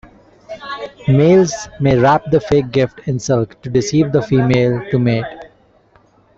Males may wrap the fake gift in silk, to deceive the female to mate.